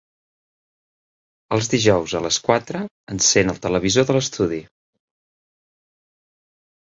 Els dijous a les quatre encèn el televisor de l'estudi.